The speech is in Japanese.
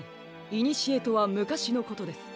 いにしえとはむかしのことです。